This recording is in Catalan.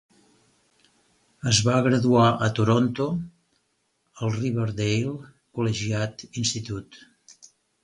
Es va graduar a Toronto al Riverdale Collegiate Institute.